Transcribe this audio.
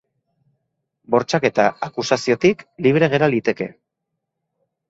Bortxaketa akusaziotik libre gera liteke.